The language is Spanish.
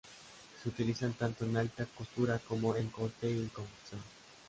Se utilizan tanto en alta costura como en corte y confección.